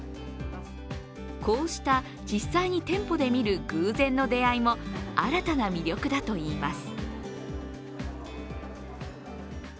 こうした実際に店舗で見る偶然の出会いも新たな魅力だといいます。